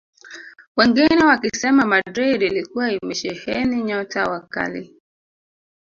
Wengine wakisema Madrid ilikuwa imesheheni nyota wa kali